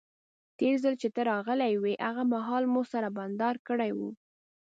تیر ځل چې ته راغلی وې هغه مهال مو سره بانډار کړی وو.